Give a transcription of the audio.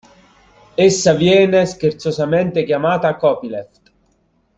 Essa viene scherzosamente chiamata copyleft.